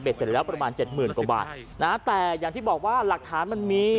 เสร็จแล้วประมาณเจ็ดหมื่นกว่าบาทนะฮะแต่อย่างที่บอกว่าหลักฐานมันมี